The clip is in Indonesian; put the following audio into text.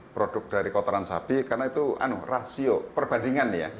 produk dari kotoran sapi karena itu rasio perbandingan ya